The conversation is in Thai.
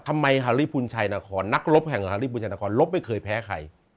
ทำไมฮาร์ลีฟูนชัยนครนักรบแห่งฮาร์ลีฟูนชัยนครรบไม่เคยแพ้ใคร